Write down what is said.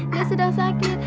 dia sudah sakit